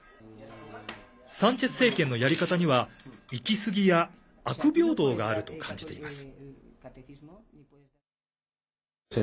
サンチェス政権のやり方には行き過ぎや悪平等があると感じています。